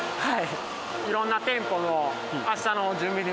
はい。